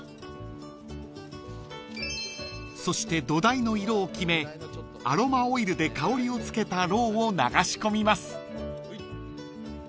［そして土台の色を決めアロマオイルで香りをつけたろうを流し込みます］